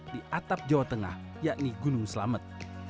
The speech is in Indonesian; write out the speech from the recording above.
di atap jawa tengah yakni gunung selamet